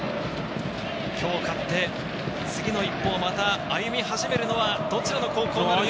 今日勝って次の一方をまた歩み始めるのはどちらの高校なのか。